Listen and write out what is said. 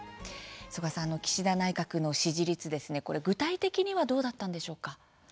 曽我さん、岸田内閣の支持率これ具体的にはどうだったんでしょうか？